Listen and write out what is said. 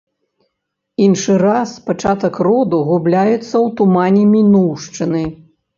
Іншы раз пачатак роду губляецца ў тумане мінуўшчыны.